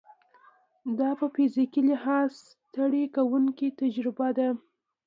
دا په فزیکي لحاظ ستړې کوونکې تجربه ده.